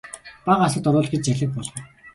Бага асарт оруул гэж зарлиг буулгав.